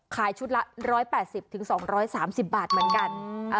ขายชุดละ๑๘๐๒๓๐บาทเหมือนกัน